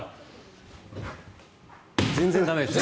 全然駄目ですね。